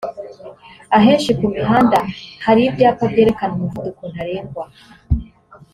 Ahenshi ku mihanda hari ibyapa byerekana umuvuduko ntarengwa